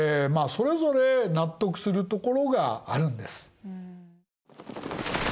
それぞれ納得するところがあるんです。